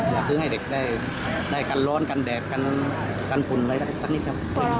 อยากฟื้นให้เด็กได้กันร้อนกันแดดกันฝุ่นอะไรแบบนี้ครับ